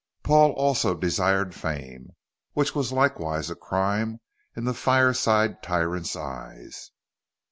Paul also desired fame, which was likewise a crime in the fire side tyrant's eyes.